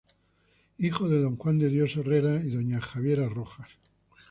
Hijo de don Juan de Dios Herrera y doña Javiera Rojas.